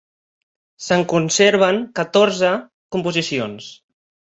Se'n conserven catorze composicions.